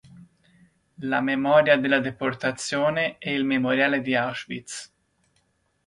La memoria della deportazione e il Memoriale di Auschwitz".